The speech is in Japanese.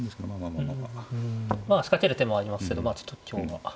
まあ仕掛ける手もありますけどちょっと今日は。